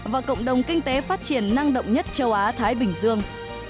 và cộng đồng kinh tế phát triển năng động nhất châu á thái bình dương